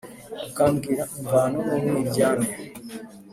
ukambwira imvano n'umwiryane...